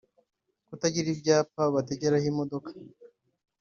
Kutagira ibyapa bategeraho imodoka